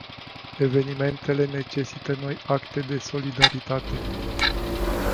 Evenimentele necesită noi acte de solidaritate.